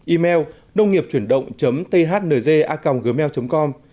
email nông nghiệpchuyendong thngacomgmail com